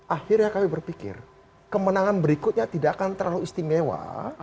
akhirnya kami berpikir kemenangan berikutnya tidak akan terlalu istimewa